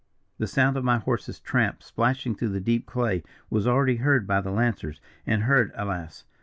"The sound of my horse's tramp, splashing through the deep clay, was already heard by the lancers, and heard, alas!